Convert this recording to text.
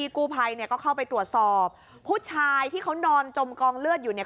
ก็เข้าไปตรวจสอบผู้ชายที่เขานอนจมกองเลือดอยู่เนี่ย